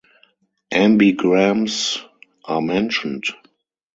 Ambigrams are mentioned.